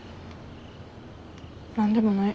何でもない。